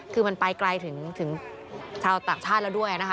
คือมันไปไกลถึงชาวต่างชาติแล้วด้วยนะคะ